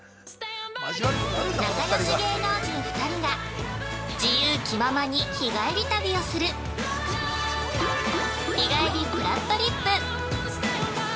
◆仲よし芸能人２人が自由気ままに日帰り旅をする「日帰りぷらっとりっぷ」